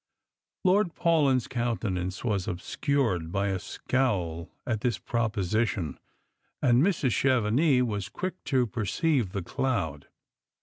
Lord Paulyn's countenance was obscured by a scowl at this proposition, and Mrs. Chevenix was quick to perceive the cloud.